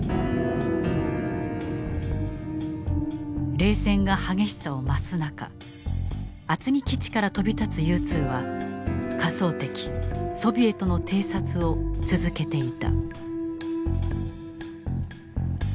冷戦が激しさを増す中厚木基地から飛び立つＵ２は仮想敵ソビエトの偵察を続けていた。